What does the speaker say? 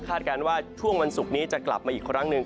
การว่าช่วงวันศุกร์นี้จะกลับมาอีกครั้งหนึ่ง